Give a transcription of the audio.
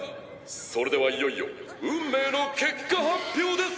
それではいよいよ運命の結果発表です！